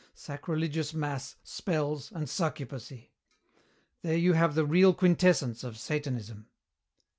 Sacrilegious mass, spells, and succubacy. There you have the real quintessence of Satanism."